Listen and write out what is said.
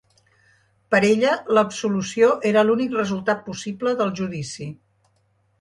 Per ella, l’absolució era l’únic resultat possible del judici.